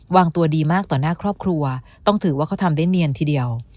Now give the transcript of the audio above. วางตัวดีมากต่อหน้าครอบครัวต้องถือว่าเขาทำได้เนียนทีเดียว